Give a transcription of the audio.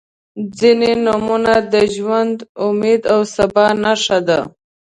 • ځینې نومونه د ژوند، امید او سبا نښه ده.